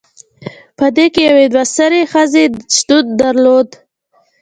پدې کې یوې دوه سرې ښځې شتون درلود